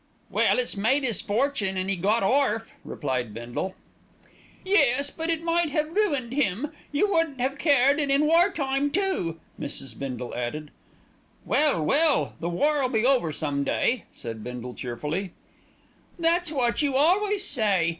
"Well, it's made 'is fortune, an' 'e got orf," replied Bindle. "Yes, but it might have ruined him. You wouldn't have cared, and in war time too," Mrs. Bindle added. "Well, well! the war'll be over some day," said Bindle cheerfully. "That's what you always say.